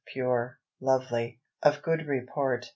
pure,... lovely,... of good report